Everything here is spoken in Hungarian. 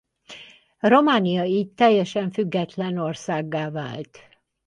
Románia így teljesen független országgá vált.